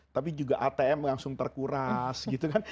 tapi juga atm langsung terkuras gitu kan